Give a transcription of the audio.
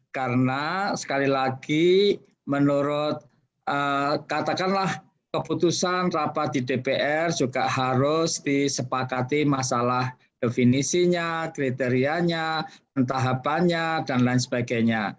karena sekali lagi menurut katakanlah keputusan rapat di dpr juga harus disepakati masalah definisinya kriterianya pentahapannya dan lain sebagainya